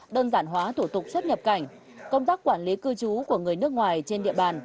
đơn giản hóa thủ tục xuất nhập cảnh công tác quản lý cư trú của người nước ngoài trên địa bàn